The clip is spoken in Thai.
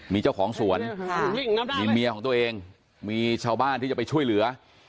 มีเจ้าของสวนมีเมียของตัวเองมีชาวบ้านที่จะไปช่วยเหลือ